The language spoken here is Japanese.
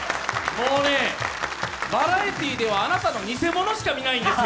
バラエティーでは、あなたの偽物しか見ないんですよ。